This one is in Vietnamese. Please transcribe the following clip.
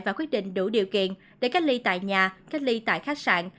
và quyết định đủ điều kiện để cách ly tại nhà cách ly tại khách sạn